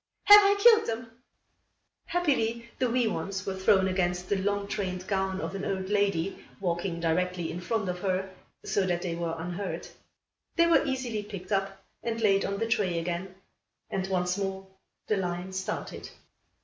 "Have I killed them?" Happily the wee ones were thrown against the long trained gown of an old lady walking directly in front of her, so that they were unhurt. They were easily picked up and laid on the tray again, and once more the line started.